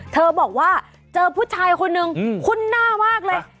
เธอบอกว่าเจอผู้ชายคนนึงคุ้นหน้ามากเลย